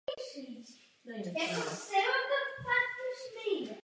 Premiéru měl na Berlinale na Fóru mladého filmu.